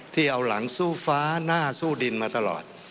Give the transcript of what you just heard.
ที่เอาหลังสู้ฟ้าหน้าสู้ดินมาตลอด